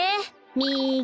みぎ。